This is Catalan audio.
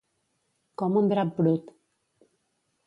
Com un drap brut.